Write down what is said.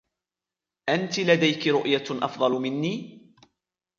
أنتِ لديكِ رؤية أفضل منى ؟